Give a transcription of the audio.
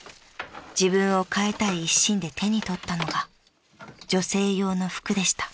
自分を変えたい一心で手に取ったのが女性用の服でした］